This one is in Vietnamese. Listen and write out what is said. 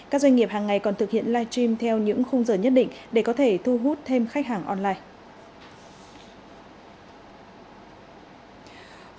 các doanh nghiệp hàng ngày còn thực hiện live stream theo những khung giờ nhất định để có thể thu hút thêm khách hàng online